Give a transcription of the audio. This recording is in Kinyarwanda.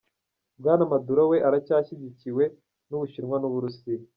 Bwana Maduro we aracyashyigikiwe n'Ubushinwa n'Uburusiya.